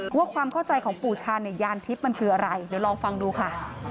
ว่าความเข้าใจของปู่ชาเนี่ยยานทิพย์มันคืออะไรเดี๋ยวลองฟังดูค่ะ